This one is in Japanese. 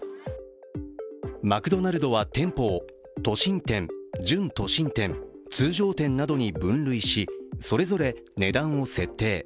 マクドナルドは店舗を都心店、準都心店、通常店などに分類し、それぞれ値段を設定。